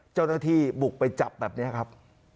เจ้าหน้าที่บุกไปจับแบบนี้ครับ